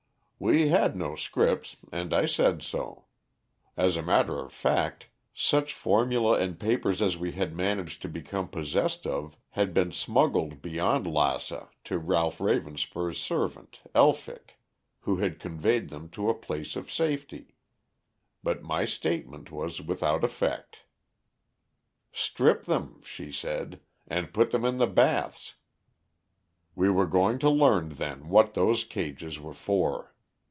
"We had no scripts and I said so. As a matter of fact, such formulæ and papers as we had managed to become possessed of had been smuggled beyond Lassa to Ralph Ravenspur's servant, Elphick, who had conveyed them to a place of safety. But my statement was without effect. "'Strip them,' she said, 'and put them in the baths.' "We were going to learn then what those cages were for.